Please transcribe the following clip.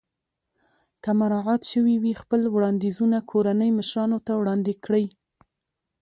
که مراعات شوي وي خپل وړاندیزونه کورنۍ مشرانو ته وړاندې کړئ.